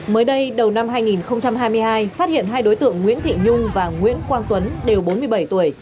mới đây đầu năm hai nghìn hai mươi hai phát hiện hai đối tượng nguyễn thị nhung và nguyễn quang tuấn đều bốn mươi bảy tuổi